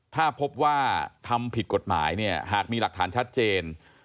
ถ้าพบว่าทำผิดกฎหมายเนี่ยหากมีหลักฐานชัดเจน